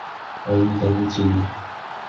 আমি তাকে চিনি?